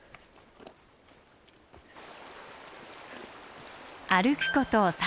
歩くこと３０分。